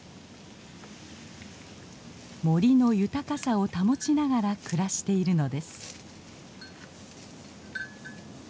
森の豊かさを保ちながら暮らしているのです。